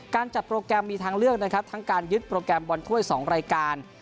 การจัดโปรแกรมมีทางเลือกนะครับทั้งการยึดโปรแกรมบอลถ้วย๒รายการ